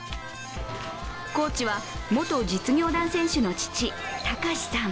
コーチは元実業団選手の父卓司さん。